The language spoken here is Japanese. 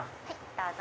どうぞ。